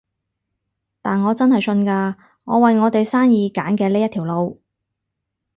但我真係信㗎，我為我哋生意揀嘅呢一條路